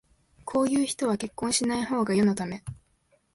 こういう人は結婚しないほうが世のため